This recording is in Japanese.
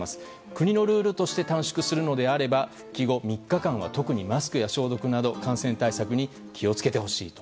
国のルールとして短縮するのであれば復帰後３日間はマスクや消毒の感染対策に気を付けてほしい。